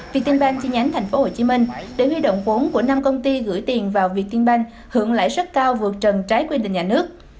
việt tiên bên chi nhánh tp hcm để huy động vốn của năm công ty gửi tiền vào việt tiên bên hưởng lãi sức cao vượt trần trái quyền định nhà nước